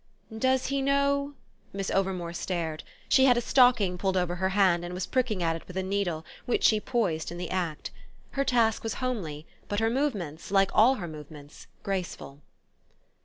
"Does he know " Miss Overmore stared; she had a stocking pulled over her hand and was pricking at it with a needle which she poised in the act. Her task was homely, but her movement, like all her movements, graceful.